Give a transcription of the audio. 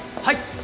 はい。